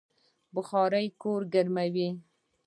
بخارۍ کور ګرموي